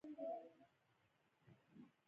له هغوی نه تللی نشې.